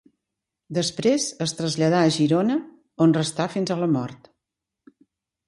Després es traslladà a Girona, on restà fins a la mort.